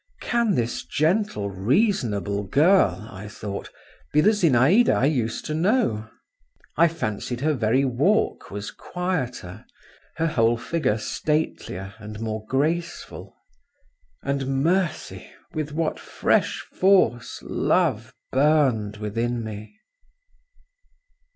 "Can this gentle, reasonable girl," I thought, "be the Zinaïda I used to know?" I fancied her very walk was quieter, her whole figure statelier and more graceful … And, mercy! with what fresh force love burned within me!